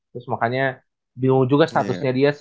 terus makanya bingung juga statusnya dia